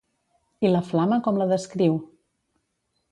I la flama com la descriu?